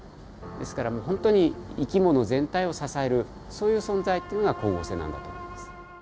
ですからほんとに生き物全体を支えるそういう存在っていうのが光合成なんだと思います。